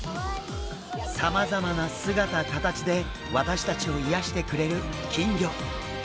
さまざまな姿形で私たちを癒やしてくれる金魚。